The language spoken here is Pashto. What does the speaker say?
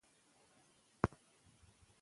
د ښځو کار کول د کورنۍ اقتصادي فشار کموي.